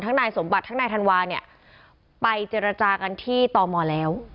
นายสมบัติทั้งนายธันวาเนี่ยไปเจรจากันที่ตมแล้ว